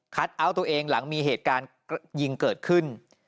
เอาท์ตัวเองหลังมีเหตุการณ์ยิงเกิดขึ้น